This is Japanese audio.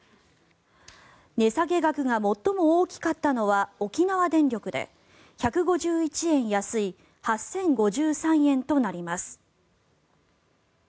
値下げ額が最も大きかったのは沖縄電力で１５１円安い８０５３円となります。